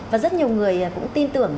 và rất nhiều người cũng tin tưởng